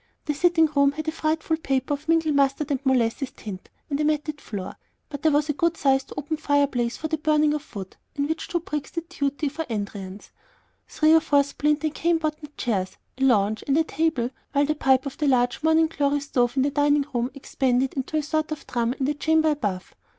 The sitting room had a frightful paper of mingled mustard and molasses tint, and a matted floor; but there was a good sized open fireplace for the burning of wood, in which two bricks did duty for andirons, three or four splint and cane bottomed chairs, a lounge, and a table, while the pipe of the large "Morning glory" stove in the dining room expanded into a sort of drum in the chamber above.